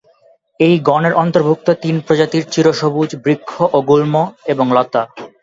এই গণের অন্তর্ভুক্ত তিন প্রজাতির চিরসবুজ বৃক্ষ ও গুল্ম, এবং লতা।